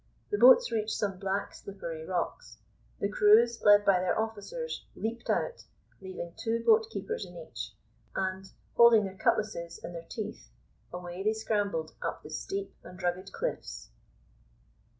The boats reached some black slippery rocks. The crews, led by their officers, leaped out, leaving two boat keepers in each; and, holding their cutlasses in their teeth, away they scrambled up the steep and rugged cliffs.